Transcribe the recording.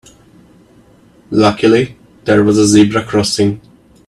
Luckily there was a zebra crossing.